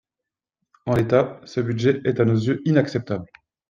En l’état, ce budget est à nos yeux inacceptable.